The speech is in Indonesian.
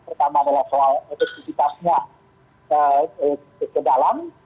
pertama adalah soal efektivitasnya ke dalam